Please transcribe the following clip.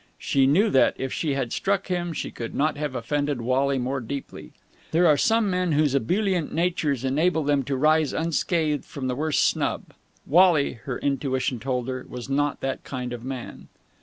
She knew that, if she had struck him, she could not have offended Wally more deeply. There are some men whose ebullient natures enable them to rise unscathed from the worst snub. Wally, her intuition told her, was not that kind of man.